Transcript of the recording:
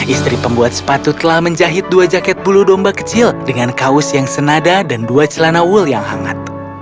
istri pembuat sepatu telah menjahit dua jaket bulu domba kecil dengan kaos yang senada dan dua celana wul yang hangat